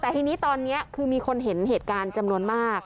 แต่ทีนี้ตอนนี้คือมีคนเห็นเหตุการณ์จำนวนมาก